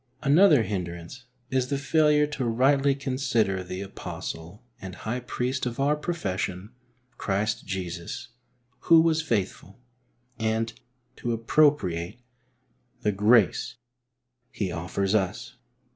Another hindrance is the failure to rightly "con sider the Apostle and High Priest of our profession, Christ Jesus, who was faithful,'* and to appropriate the grace He offers us.